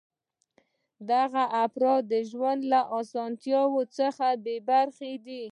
دغه افراد د ژوند له اسانتیاوو څخه بې برخې دي.